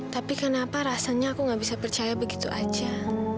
tapi kenapa rasanya aku nggak bisa percaya begitu aja